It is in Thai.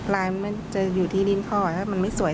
มันจะอยู่ที่ลิ้นข้อถ้ามันไม่สวย